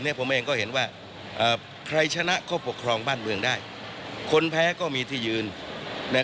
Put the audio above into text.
กรณีนี้ทางด้านของประธานกรกฎาได้ออกมาพูดแล้ว